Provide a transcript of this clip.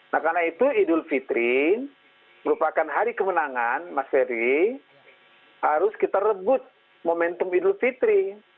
nah karena itu idul fitri merupakan hari kemenangan mas ferry harus kita rebut momentum idul fitri